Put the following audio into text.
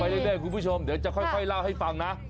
อ้าวดูไปได้คุณผู้ชมเดี๋ยวจะค่อยเล่าให้ฟังนะ